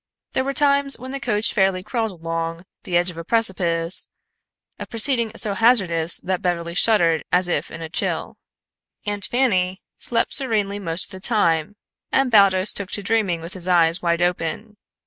There were times when the coach fairly crawled along the edge of a precipice, a proceeding so hazardous that Beverly shuddered as if in a chill. Aunt Fanny slept serenely most of the time, and Baldos took to dreaming with his eyes wide open.